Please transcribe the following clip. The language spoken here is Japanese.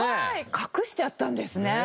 隠してあったんですね。